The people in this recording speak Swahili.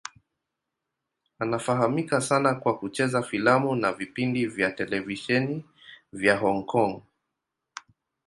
Anafahamika sana kwa kucheza filamu na vipindi vya televisheni vya Hong Kong.